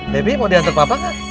debbie mau diantuk papa kak